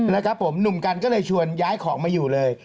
แล้วหนุ่มกันก็เลยชวนย้ายของมาอยู่เลย